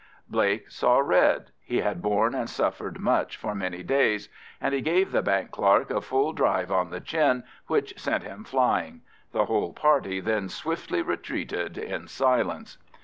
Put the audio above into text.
Blake saw red—he had borne and suffered much for many days,—and he gave the bank clerk a full drive on the chin which sent him flying. The whole party then swiftly retreated in silence.